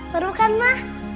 seru kan ma